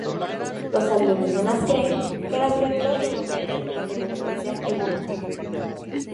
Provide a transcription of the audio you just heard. Los alienígenas creen que las criaturas de Europa tienen mayor potencial evolutivo.